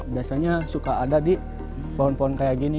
biasanya suka ada di pohon pohon kayak gini